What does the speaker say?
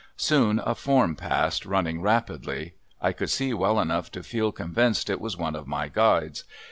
Soon a form passed, running rapidly. I could see well enough to feel convinced it was one of my guides.